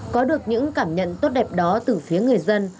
có được những cảm nhận tốt đẹp đó từ phía người dân